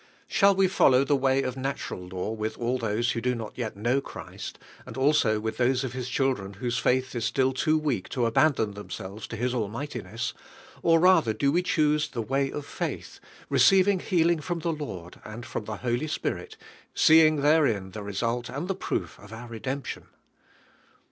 Shall we follow the way of natur al law wi th all those who do not yet know Christ, and also with those of His child ren whose faith is still too weak to aban don themselves to His almigbtiness; or rather do we choose the way of faith, re ceiving healing from the Lord and from i tie Holy Spirit, seeing therein the result ami the proof of our redemption?